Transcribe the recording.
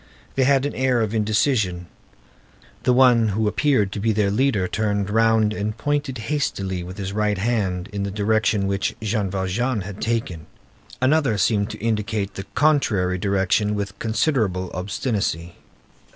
They had an air of indecision. The one who appeared to be their leader turned round and pointed hastily with his right hand in the direction which Jean Valjean had taken; another seemed to indicate the contrary direction with considerable obstinacy.